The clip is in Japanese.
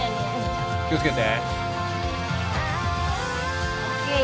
気をつけてＯＫ